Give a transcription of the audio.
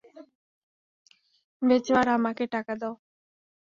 বেচো আর আমাকে টাকা দেও।